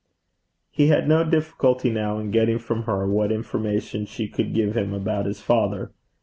He had no difficulty now in getting from her what information she could give him about his father.